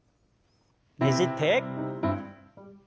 ねじって。